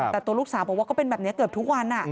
แต่ตัวลูกสาวบอกว่าก็เป็นแบบนี้เกือบทุกวัน